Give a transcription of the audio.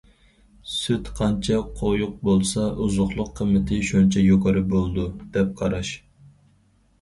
سۈت قانچە قويۇق بولسا، ئوزۇقلۇق قىممىتى شۇنچە يۇقىرى بولىدۇ، دەپ قاراش.